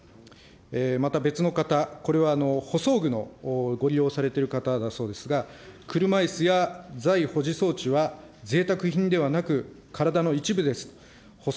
また別の方、これは補装具のご利用されている方だそうですが、車いすやざい保持装置はぜいたく品ではなく、体の一部です。